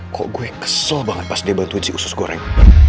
kok gue kesel banget pas dia bantu si usus goreng